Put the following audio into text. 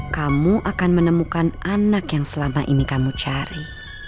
kamu akan menemukan anak yang selama ini kamu cari